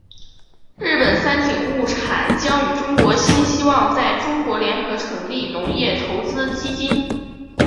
日本三井物产将与中国新希望在中国联合成立农业投资基金。